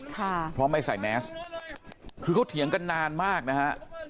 ค่ะเพราะไม่ใส่แมสคือเขาเถียงกันนานมากนะฮะ